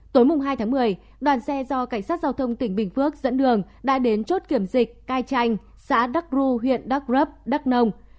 tối hai tháng một mươi đoàn xe do cảnh sát giao thông tỉnh bình phước dẫn đường đã đến chốt kiểm dịch cai chanh xã đắc ru huyện đắk rấp đắk nông